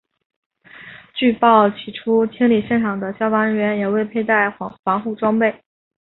据报起初清理现场的消防人员也未佩戴防护装备。